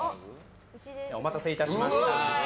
お待たせいたしました。